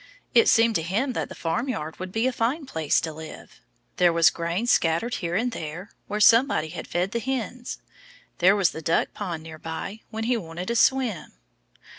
It seemed to him that the farmyard would be a fine place to live. There was grain scattered here and there, where somebody had fed the hens. There was the duck pond near by, when he wanted a swim.